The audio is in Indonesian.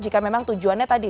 jika memang tujuannya tadi